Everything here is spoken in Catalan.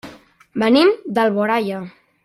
Venim d'Alboraia.